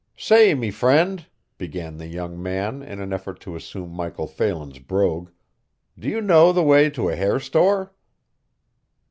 "Say, me friend," began the young man, in an effort to assume Michael Phelan's brogue, "do you know the way to a hair store?"